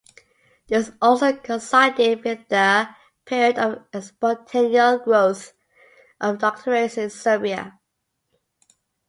This also coincided with the period of exponential growth of doctorates in Serbia.